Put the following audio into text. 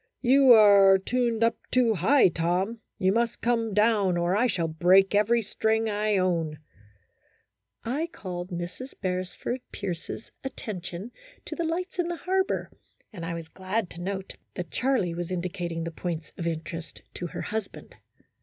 " You are tuned up too high, Tom ; you must come down, or I shall break every string I own." I called Mrs. Beresford Pierce's attention to the lights in the harbor, and I was glad to note that Charlie was indicating the points of interest to her husband.